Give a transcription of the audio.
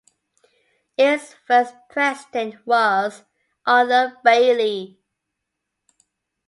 Its first president was Arthur Bailey.